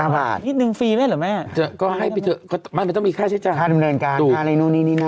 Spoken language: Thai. ๗๙บาทนิดนึงฟรีมั้ยหรือแม่ต้องมีค่าใช้จานค่าดำเนินการค่าอะไรนู่นนี่นั่น